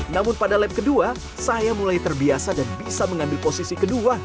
namun pada lab kedua saya mulai terbiasa dan bisa mengambil posisi kedua